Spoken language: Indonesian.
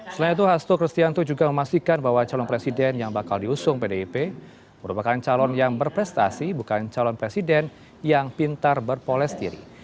selain itu hasto kristianto juga memastikan bahwa calon presiden yang bakal diusung pdip merupakan calon yang berprestasi bukan calon presiden yang pintar berpoles diri